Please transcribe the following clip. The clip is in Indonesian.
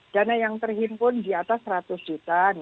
dana yang terhimpun di atas seratus juta